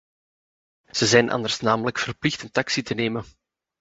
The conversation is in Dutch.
Ze zijn anders namelijk verplicht een taxi te nemen.